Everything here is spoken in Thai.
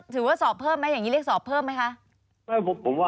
สอบเพิ่มไหมอย่างนี้เรียกสอบเพิ่มไหมคะ